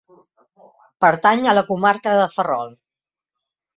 Pertany a la Comarca de Ferrol.